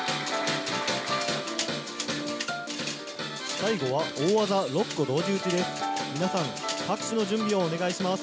最後は大技６個同時撃ちです。